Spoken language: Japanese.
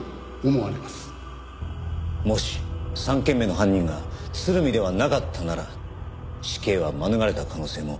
もし３件目の犯人が鶴見ではなかったなら死刑は免れた可能性もあり得たかもしれません。